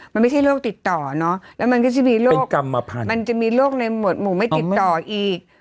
มันไม่ใช่โรคติดต่อนะและมันก็จะมีโรคในหมู่ไม่ติดต่ออีก